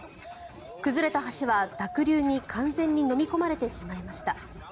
崩れた橋は、濁流に完全にのみ込まれてしまいました。